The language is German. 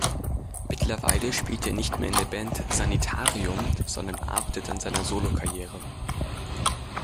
Mittlerweile spielt er nicht mehr in der Band Sanitarium, sondern arbeitet an seiner Solokarriere.